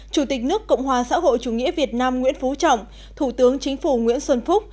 chủ tịch nước cộng hòa xã hội chủ nghĩa việt nam nguyễn phú trọng thủ tướng chính phủ nguyễn xuân phúc